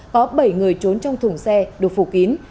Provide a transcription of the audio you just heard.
có bảy người trốn trong thùng xe được phủ kín